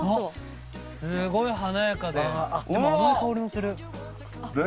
すごい華やかででも甘い香りもする。